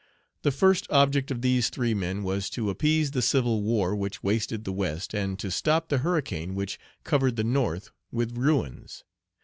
The first object of these three men was to appease the civil war which wasted the West, and to stop the hurricane which covered the North with ruins.